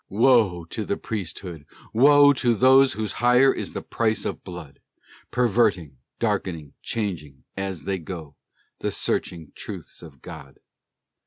Woe to the priesthood! woe To those whose hire is with the price of blood; Perverting, darkening, changing, as they go, The searching truths of God!